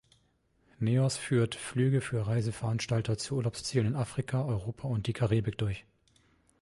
Neos führt Flüge für Reiseveranstalter zu Urlaubszielen in Afrika, Europa und die Karibik durch.